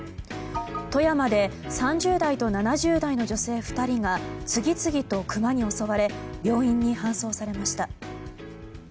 富山で３０代と７０代の女性２人が次々とクマに襲われ病院に搬送されました。